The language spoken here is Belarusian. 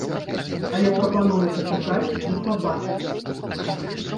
Але прапануе пачакаць і пабачыць.